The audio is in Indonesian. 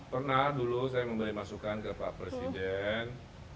pernah dulu saya memberi masukan ke pak presiden